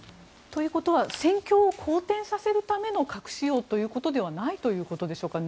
ということは戦況を好転させるための核使用ということではないということでしょうか？